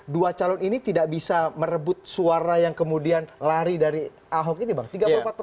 dua calon ini tidak bisa merebut suara yang kemudian lari dari ahok ini bang